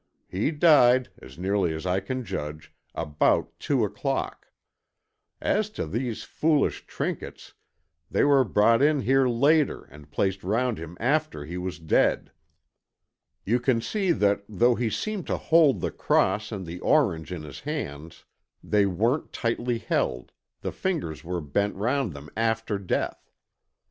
He died, as nearly as I can judge, about two o'clock. As to these foolish trinkets, they were brought in here later and placed round him after he was dead. You can see that though he seemed to hold the cross and the orange in his hands, they weren't tightly held, the fingers were bent round them after death.